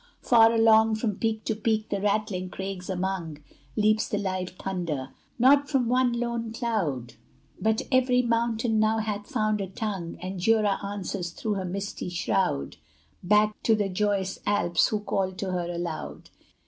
Far along, From peak to peak, the rattling crags among, Leaps the live thunder! Not from one lone cloud, But every mountain now hath found a tongue, And Jura answers through her misty shroud Back to the joyous Alps, who call to her aloud!